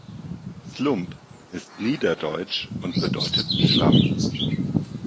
Slump ist niederdeutsch und bedeutet Schlamm.